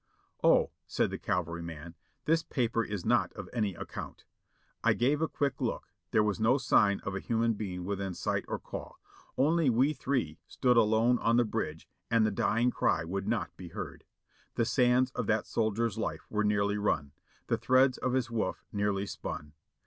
"Oh!" said the cavalryman; "this paper is not of any account." I gave a quick look ; there was no sign of a human being within sight or call ; only we three stood alone on the bridge, and the dying cry would not be heard. THE SECOND ESCAPE 491 The sands of that soldier's Hfe were nearly run ; the threads of his woof nearly spun.